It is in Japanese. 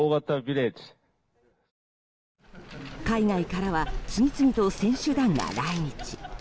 海外からは次々と選手団が来日。